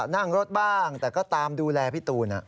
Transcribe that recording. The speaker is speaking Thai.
นั่งรถบ้างแต่ก็ตามดูแลพี่ตูน